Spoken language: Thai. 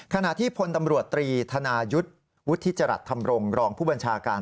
ขณะที่ผลตำรวจตรีธนายุทธิจรัตน์ทำรงรองผู้บัญชาการ